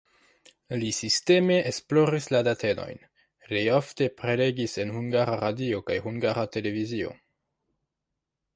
Li sisteme esploris la datenojn, li ofte prelegis en Hungara Radio kaj Hungara Televizio.